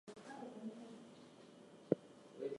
The cause for her death was not specified.